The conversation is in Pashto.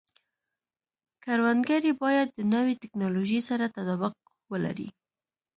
کروندګري باید د نوې ټکنالوژۍ سره تطابق ولري.